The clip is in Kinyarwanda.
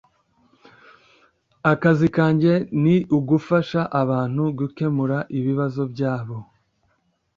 Akazi kanjye ni ugufasha abantu gukemura ibibazo byabo.